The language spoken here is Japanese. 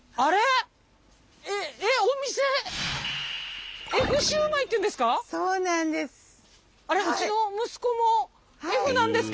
えっお店「えふシウマイ」っていうんですか？